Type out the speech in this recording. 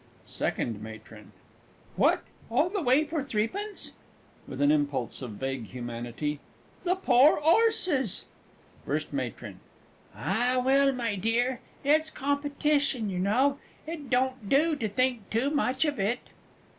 SECOND MATRON. What, all that way for threepence (with an impulse of vague humanity). The poor 'orses! FIRST MATRON. Ah, well, my dear, it's Competition, you know, it don't do to think too much of it.